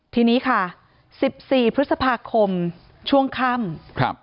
ทีนี้ค่ะ๑๔พฤษภาคมช่วงค่ำ